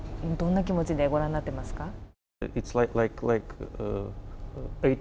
どんな気持ちで御覧になっていますか？